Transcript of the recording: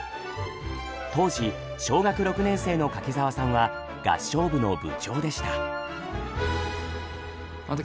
当時小学６年生の柿澤さんは合唱部の部長でした。